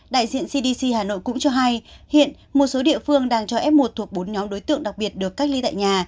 đại diện cdc hà nội cũng cho hay hiện một số địa phương đang cho f một thuộc bốn nhóm đối tượng đặc biệt được cách ly tại nhà